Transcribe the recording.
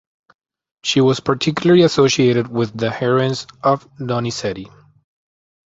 She was particularly associated with the heroines of Donizetti.